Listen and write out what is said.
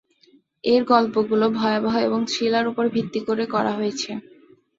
এর গল্পগুলো ভয়াবহ এবং থ্রিলার উপর ভিত্তি করে করা হয়েছে।